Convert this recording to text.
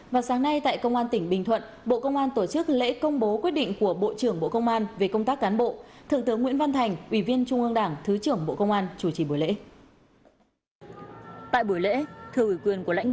và sáng nay tại công an tỉnh bình thuận